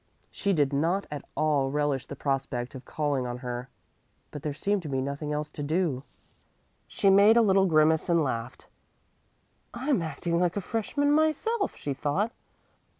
She did not at all relish the prospect of calling on her, but there seemed to be nothing else to do. She made a little grimace and laughed. "I'm acting like a freshman myself," she thought.